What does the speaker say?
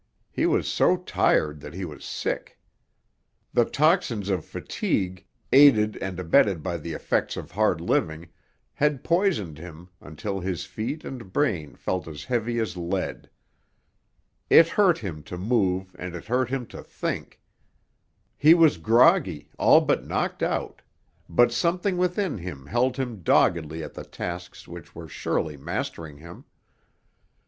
He was so tired that he was sick. The toxins of fatigue, aided and abetted by the effects of hard living, had poisoned him until his feet and brain felt as heavy as lead. It hurt him to move and it hurt him to think. He was groggy, all but knocked out; but something within him held him doggedly at the tasks which were surely mastering him.